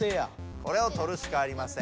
これをとるしかありません。